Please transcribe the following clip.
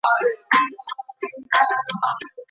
الله تعالی به د اصلاح او روغي توفيق ورکړي.